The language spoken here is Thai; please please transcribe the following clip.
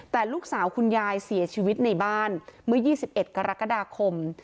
แต่ลูกสาวคุณยายเสียชีวิตในบ้านเมื่อ๒๑กรกฎาคม